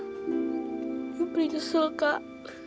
jepri nyesel kak